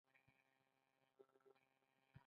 تړون باید عادلانه وي.